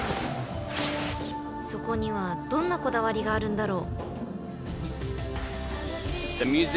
［そこにはどんなこだわりがあるんだろう？］